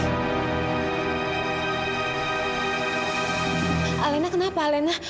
halena kenapa halena